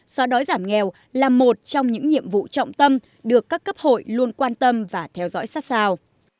xóa đói giảm nghèo là một trong những nhiệm vụ trọng tâm được các cấp hội luôn quan tâm và theo dõi sát sao